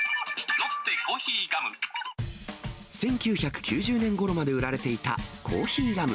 １９９０年ごろまで売られていたコーヒーガム。